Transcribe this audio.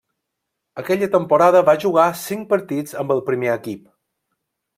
Aquella temporada va jugar cinc partits amb el primer equip.